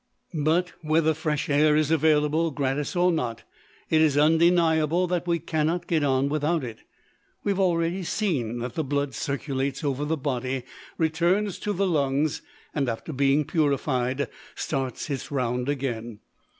But, whether fresh air is available gratis or not, it is undeniable that we cannot get on without it. We have already seen that the blood circulates over the body, returns to the lungs, and after being purified, starts on its round again.